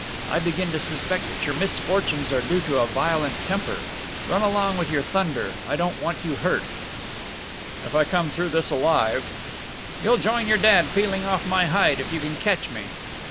I begin to suspect that your misfortunes are due to a violent temper. Run along with your thunder; I don't want you hurt." "If I come through this alive " "You'll join your dad peeling off my hide if you can catch me!"